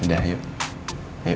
udah yuk yuk